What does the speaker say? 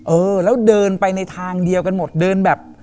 เออแล้วเดินไปในทางเดียวกันหมดเดินแบบ